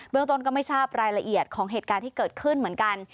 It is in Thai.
ต้นก็ไม่ทราบรายละเอียดของเหตุการณ์ที่เกิดขึ้นเหมือนกัน